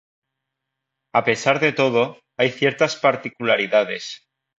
A pesar de todo, hay ciertas particularidades.